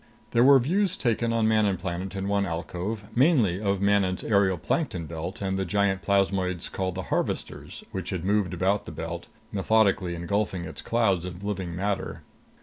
There were views taken on Manon Planet in one alcove, mainly of Manon's aerial plankton belt and of the giant plasmoids called Harvesters which had moved about the belt, methodically engulfing its clouds of living matter.